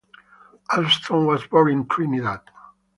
Alston was born in Trinidad.